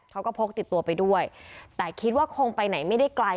พกติดตัวไปด้วยแต่คิดว่าคงไปไหนไม่ได้ไกล